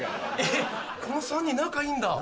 この３人仲いいんだ。